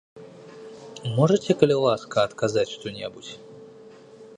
Можаце, калі ласка, адказаць што-небудзь?